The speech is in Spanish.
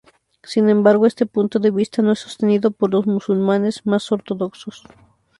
Sin embargo, este punto de vista no es sostenido por los musulmanes más ortodoxos.